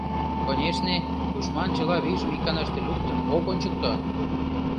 — Конешне, тушман чыла вийжым иканаште луктын ок ончыкто.